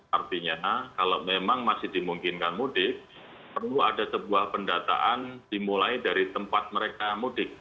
artinya kalau memang masih dimungkinkan mudik perlu ada sebuah pendataan dimulai dari tempat mereka mudik